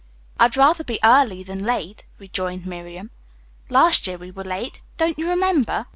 "I'd rather be early than late," rejoined Miriam. "Last year we were late. Don't you remember?